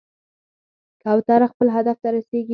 کوتره خپل هدف ته رسېږي.